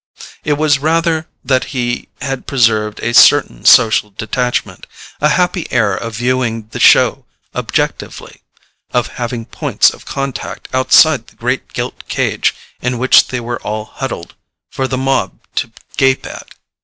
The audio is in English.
It was rather that he had preserved a certain social detachment, a happy air of viewing the show objectively, of having points of contact outside the great gilt cage in which they were all huddled for the mob to gape at.